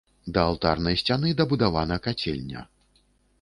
Да алтарнай сцяны дабудавана кацельня.